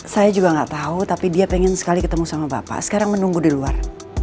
saya juga nggak tahu tapi dia pengen sekali ketemu sama bapak sekarang menunggu di luar